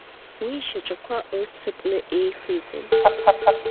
Уи ишьаҿақәа ырццакны еихигон.